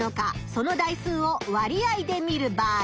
その台数を割合で見る場合